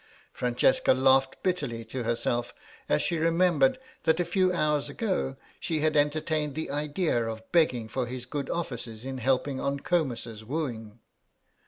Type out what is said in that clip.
Francesca laughed bitterly to herself as she remembered that a few hours ago she had entertained the idea of begging for his good offices in helping on Comus's wooing.